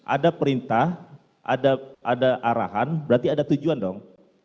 ada perintah ada arahan berarti ada tujuan dong